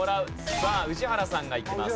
さあ宇治原さんがいきます。